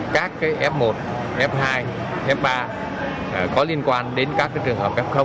các f một f hai f ba có liên quan đến các trường hợp f